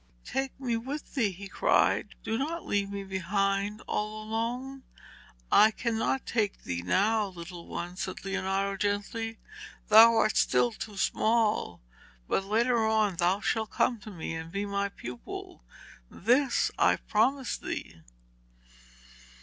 'Take me with thee,' he cried, 'do not leave me behind all alone.' 'I cannot take thee now, little one,' said Leonardo gently. 'Thou art still too small, but later on thou shalt come to me and be my pupil. This I promise thee.'